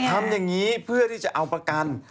ทำอย่างนี้เพื่อที่จะเอาประกัน